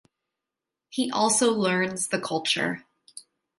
He also learns the culture.